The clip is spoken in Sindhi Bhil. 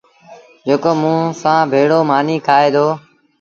جيڪو موٚنٚ سآݩٚ ڀيڙو مآݩيٚ کآئي دو